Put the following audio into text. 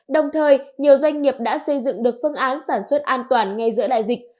đồng thời nhiều doanh nghiệp đã xây dựng được phương án sản xuất an toàn ngay giữa đại dịch